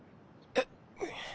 あっ。